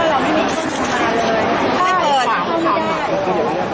แล้วทีนี้จะเปิดให้เราลงได้อีกไหม